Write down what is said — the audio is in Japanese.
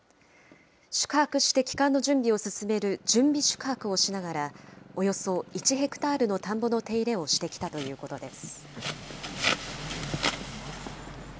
宿泊して帰還の準備を進める準備宿泊をしながら、およそ１ヘクタールの田んぼの手入れをしてきたということです。